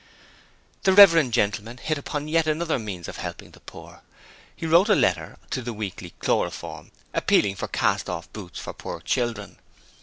The reverend gentleman hit upon yet another means of helping the poor. He wrote a letter to the Weekly Chloroform appealing for cast off boots for poor children.